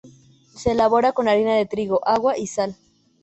Se elabora con harina de trigo, agua y sal.